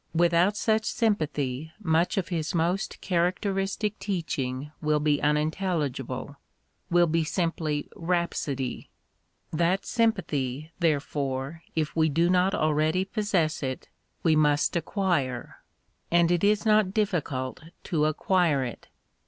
Without such sympathy much of his most characteristic teaching will be unintelli gible, will be simple rhapsody. That sympathy, therefore, if we do not already possess it, we must acquire. And it is not difficult to acquire it.